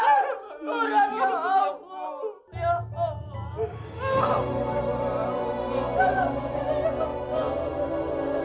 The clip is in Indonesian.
kalau sifat kerasmu seperti itu kamu tidak bedanya dengan kakakmu